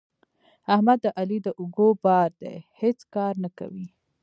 احمد د علي د اوږو بار دی؛ هیڅ کار نه کوي.